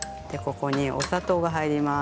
ここにお砂糖が入ります。